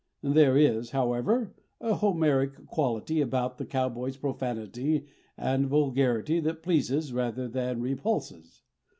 There is, however, a Homeric quality about the cowboy's profanity and vulgarity that pleases rather than repulses.